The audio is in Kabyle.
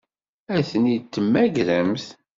Ad ten-id-temmagremt?